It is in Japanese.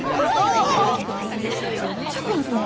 シャーク香音さま。